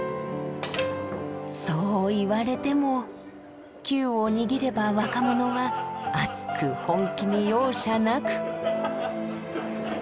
そう言われてもキューを握れば若者は熱く本気に容赦なく。